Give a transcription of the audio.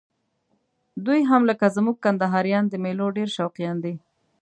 دوی هم لکه زموږ کندهاریان د میلو ډېر شوقیان دي.